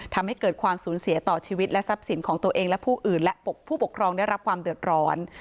ทำให้เกิดความสูญเสียต่อชีวิตและทรัพย์สินของตัวเองและผู้อื่นและผู้ปกครองได้รับความเดือดร้อน